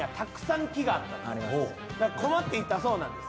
困っていたそうなんです。